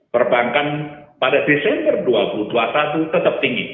perbankan pada desember dua ribu dua puluh satu tetap tinggi